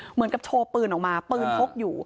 เหมือนกับโชว์ปืนออกมาปืนพกอยู่